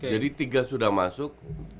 jadi tiga sudah masuk